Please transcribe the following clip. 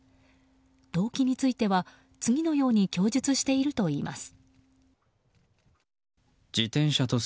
動機については次のように供述しているといいます。